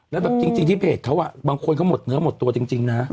แล้วแบบจริงที่เพจเขาบางคนเขาหมดเนื้อหมดตัวจริงนะ